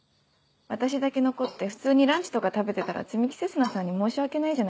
私だけ残って普通にランチとか食べてたら摘木星砂さんに申し訳ないじゃないですか。